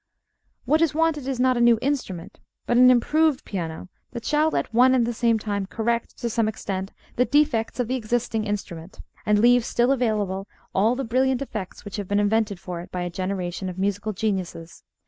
What is wanted is not a new instrument, but an improved piano that shall at one and the same time correct, to some extent, the defects of the existing instrument, and leave still available all the brilliant effects which have been invented for it by a generation of musical geniuses.